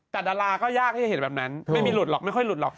แต่ดาราก็ยากที่จะเห็นแบบนั้นไม่มีหลุดหรอกไม่ค่อยหลุดหรอก